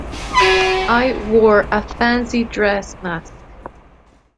I wore a fancy dress mask.